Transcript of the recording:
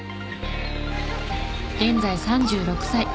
現在３６歳。